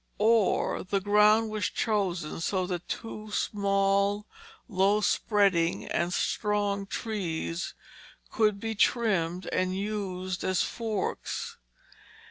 Or the ground was chosen so that two small low spreading and strong trees could be trimmed and used as forks.